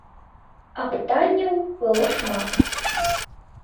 А пытанняў было шмат.